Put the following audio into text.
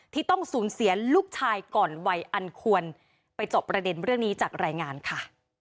ที่ต้องสูญเสียลูกชายก่อนวัยอันควรไปเจาะประเด็นเรื่องนี้จากรายงานค่ะ